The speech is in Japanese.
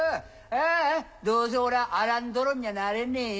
ああどうせ俺はアラン・ドロンにゃなれねよ。